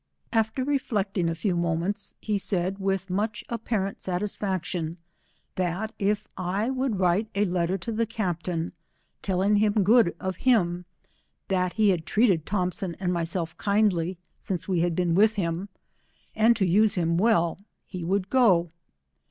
After refiectiug a few moraeats, he said, with much apparent satisfaction, that if I would write 181 a letter to the captain, telliog him good of him, that he had treated Thompson and myself kindly since we had been with him, and to use him well, he would go.